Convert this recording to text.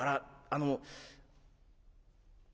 あの」。